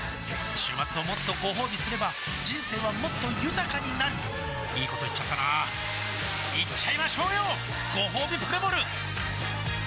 週末をもっとごほうびすれば人生はもっと豊かになるいいこと言っちゃったなーいっちゃいましょうよごほうびプレモル